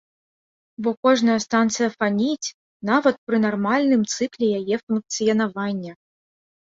Бо кожная станцыя фаніць, нават пры нармальным цыкле яе функцыянавання.